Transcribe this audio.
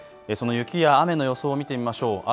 その雪や雨の予想を見てみましょう。